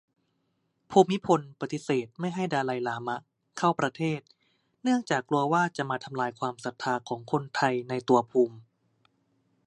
ภูมิพลปฏิเสธไม่ให้ดาไลลามะ เข้าประเทศ เนื่องจากกลัวว่า จะมาทำลายความศรัทธาของคนไทยในตัวภูมิ